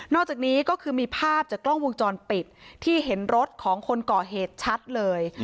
อกจากนี้ก็คือมีภาพจากกล้องวงจรปิดที่เห็นรถของคนก่อเหตุชัดเลย